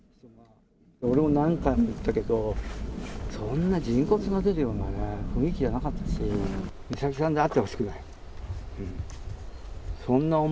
俺も何回も行ったけど、そんな、人骨が出るような雰囲気じゃなかったし、美咲さんであってほしくない。